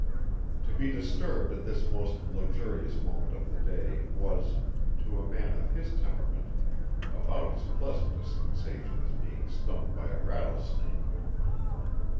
To be disturbed at this most luxurious moment of the day was, to a man of his temperament, about as pleasant a sensation as being stung by a rattlesnake.